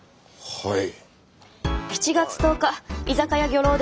はい。